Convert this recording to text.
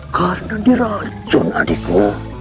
karena diracun adikku